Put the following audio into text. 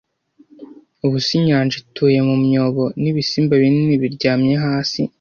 Ubuse inyanja ituye mu myobo n'ibisimba binini biryamye hasi,